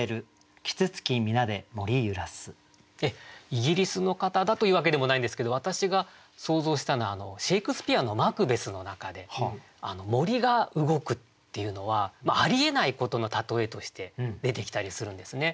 イギリスの方だというわけでもないんですけど私が想像したのはシェークスピアの「マクベス」の中で森が動くっていうのはありえないことの例えとして出てきたりするんですね。